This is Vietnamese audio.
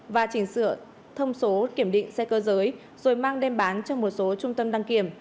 và chỉnh sửa thông số kiểm định xe cơ giới rồi mang đem bán cho một số trung tâm đăng kiểm